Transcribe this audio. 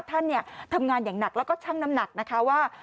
ท่านทำงานอย่างหนักแล้วก็ช่างน้ำหนักนะคะ